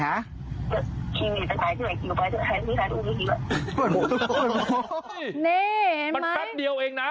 นี่มันแป๊บเดียวเองนะ